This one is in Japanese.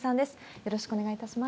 よろしくお願いします。